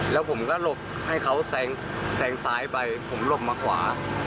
แล้วผมก็หลบให้เขาแซงซ้ายไปผมหลบมาขวา